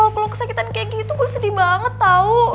kalau kesakitan kayak gitu gue sedih banget tau